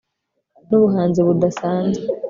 Nubuhanzi budasanzwe